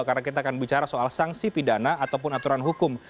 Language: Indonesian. karena kita akan bicara soal sanksi pidana ataupun aturan hukum